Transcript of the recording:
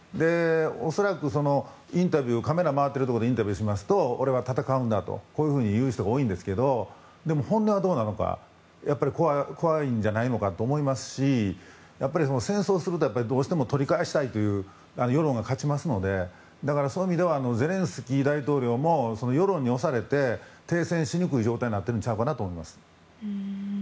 恐らくカメラ回っているところでインタビューをしますと俺は戦うんだと言う人が多いんですけど本音はどうなのか怖いんじゃないのかと思いますしやっぱり戦争をするとか取り返したいという世論が勝ちますのでそういう意味ではゼレンスキー大統領も世論に押されて停戦しにくい状況になっているんじゃないかと思います。